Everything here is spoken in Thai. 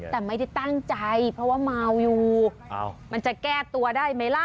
แต่ไม่ได้ตั้งใจเพราะว่าเมาอยู่มันจะแก้ตัวได้ไหมล่ะ